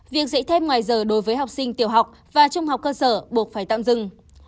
việc dạy thêm ngoài giờ đối với học sinh tiểu học và trung học cơ sở buộc phải tạm dừng